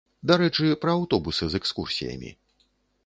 Дарэчы, пра аўтобусы з экскурсіямі.